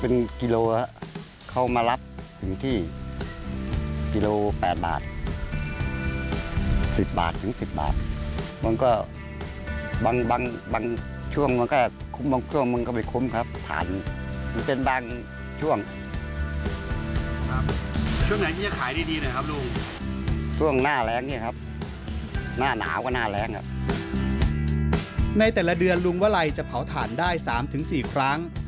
ในแต่ละเดือนลุงวลัยจะเผาถ่านได้๓๔ครั้ง